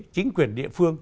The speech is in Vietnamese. chính quyền địa phương